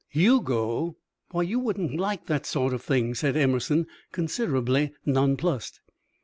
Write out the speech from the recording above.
"You go! Why, you wouldn't like that sort of thing," said Emerson, considerably nonplussed.